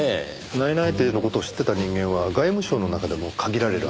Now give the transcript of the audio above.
内々定の事を知ってた人間は外務省の中でも限られるはず。